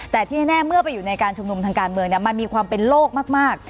แต่ที่แน่เมื่อไปอยู่ในการชุมนุมทางการเมืองมันมีความเป็นโลกมาก